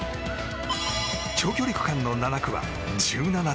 長距離区間の７区は１７．６ｋｍ。